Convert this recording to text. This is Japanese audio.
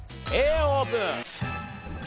Ａオープン！